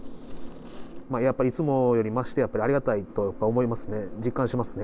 やっぱりいつもより増してありがたいと思いますね。